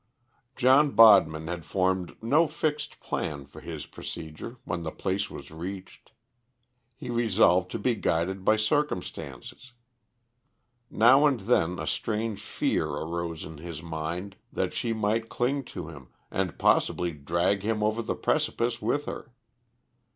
John Bodman had formed no fixed plan for his procedure when the place was reached. He resolved to be guided by circumstances. Now and then a strange fear arose in his mind that she might cling to him and possibly drag him over the precipice with her.